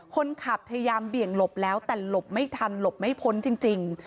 พยายามเบี่ยงหลบแล้วแต่หลบไม่ทันหลบไม่พ้นจริง